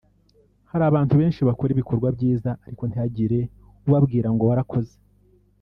Hari abantu benshi bakora ibikorwa byiza ariko ntihagire ubabwira ngo “Warakoze”